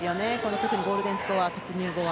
特にゴールデンスコア突入後は。